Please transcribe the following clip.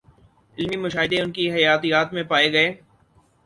علمی مشاہدے ان کی حیاتیات میں پائے گئے